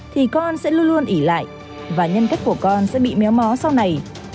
thì con sẽ luôn luôn ỉ lại và nhân cách của con sẽ bị méo mó sau này